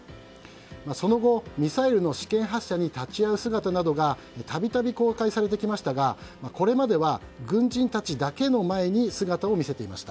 その後、ミサイルの試験発射に立ち会う姿などが度々公開されてきましたがこれまでは、軍人たちだけの前に姿を見せていました。